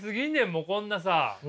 もうこんなさ。